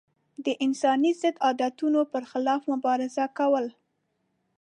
د انساني ضد عادتونو پر خلاف مبارزه کول.